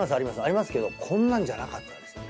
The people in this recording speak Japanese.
ありますけどこんなんじゃなかったですね。